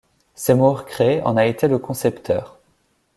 Seymour Cray en a été le concepteur.